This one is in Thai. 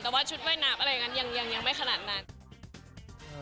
แต่ว่าชุดว่ายน้ำอะไรอย่างนั้นยังไม่ขนาดนั้น